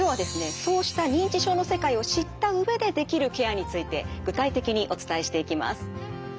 そうした認知症の世界を知った上でできるケアについて具体的にお伝えしていきます。